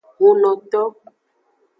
Hunnoto.